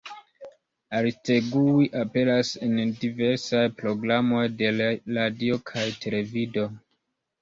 Aristegui aperas en diversaj programoj de radio kaj televido.